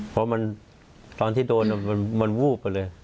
เพราะตอนที่โดนมันวูบไปเลย